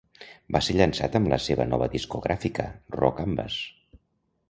Va ser llançat amb la seva nova discogràfica Raw Canvas.